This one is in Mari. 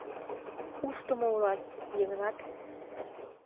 — Ушдымо улат, Йыгнат.